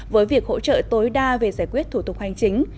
với việc hỗ trợ tối đa về giải quyết thủ tục hành chính